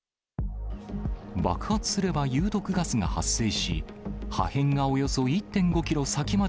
爆発すれば有毒ガスが発生し、破片がおよそ１．５キロ先まで